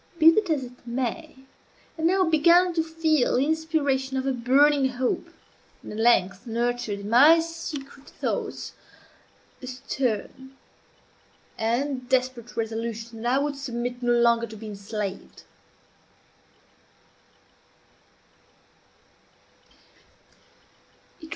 Be this as it may, I now began to feel the inspiration of a burning hope, and at length nurtured in my secret thoughts a stern and desperate resolution that I would submit no longer to be enslaved.